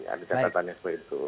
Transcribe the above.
ada catatannya seperti itu